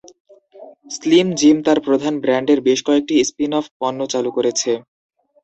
Slim Jim তার প্রধান ব্র্যান্ডের বেশ কয়েকটি স্পিন-অফ পণ্য চালু করেছে।